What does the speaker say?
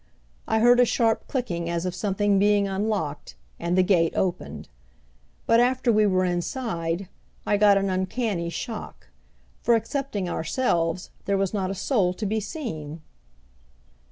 I heard a sharp clicking as of something being unlocked, and the gate opened. But after we were inside I got an uncanny shock, for excepting ourselves there was not a soul to be seen.